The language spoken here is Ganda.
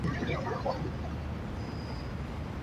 Kati nsigadde kunywa mata na butunda.